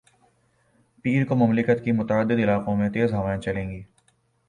پیر کو مملکت کے متعدد علاقوں میں تیز ہوائیں چلیں گی